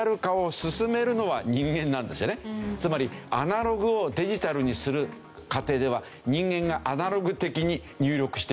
つまりアナログをデジタルにする過程では人間がアナログ的に入力していかなければいけない。